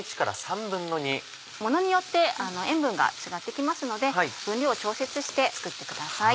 ものによって塩分が違って来ますので分量を調節して作ってください。